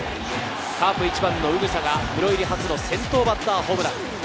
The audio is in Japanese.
カープ１番の宇草がプロ入り初の先頭バッターホームラン。